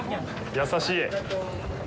優しい。